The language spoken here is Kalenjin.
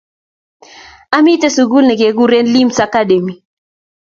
Amiten sukul ne kikuren limz academy